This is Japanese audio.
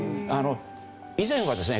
以前はですね